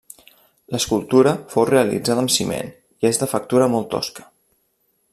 L'escultura fou realitzada amb ciment i és de factura molt tosca.